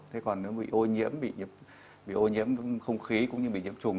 thế còn nếu bị ô nhiễm bị ô nhiễm không khí cũng như bị nhiễm trùng